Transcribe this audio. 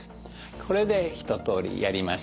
これで一とおりやりました。